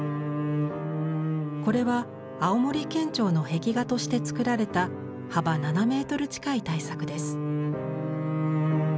これは青森県庁の壁画として作られた幅７メートル近い大作です。